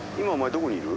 どこにいる？